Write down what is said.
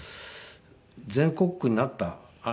全国区になった。